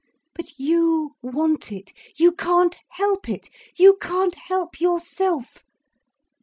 But you want it, you can't help it, you can't help yourself.